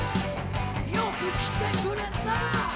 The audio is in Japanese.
「よく来てくれた」